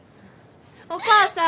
お母さん！